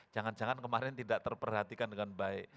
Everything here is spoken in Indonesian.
jangan jangan kemarin tidak terperhatikan dengan baik